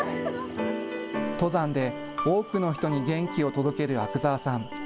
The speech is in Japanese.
登山で多くの人に元気を届ける阿久澤さん。